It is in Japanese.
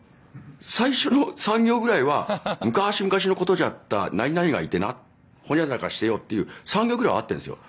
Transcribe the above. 最初の３行ぐらいは昔昔のことじゃったなになにがいてなほにゃららしてよっていう３行ぐらいは合ってるんですよ。